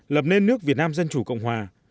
lập nên nước việt nam dân chủ cộng hòa